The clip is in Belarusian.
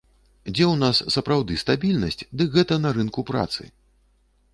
Дзе ў нас сапраўды стабільнасць, дык гэта на рынку працы.